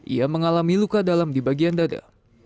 ia mengalami luka dalam di bagian dada